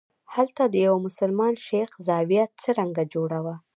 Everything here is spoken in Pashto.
هلته د یوه مسلمان شیخ زاویه څرنګه جوړه وه.